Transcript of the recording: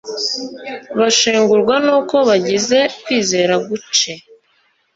Bashengurwa nuko bagize kwizera guce,